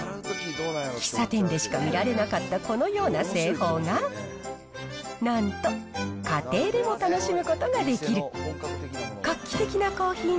喫茶店でしか見られなかったこのような製法が、なんと、家庭でも楽しむことができる。